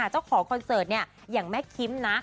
เจ้าขอคอนเสิร์ตเนี่ยอย่างแม่คิมนะ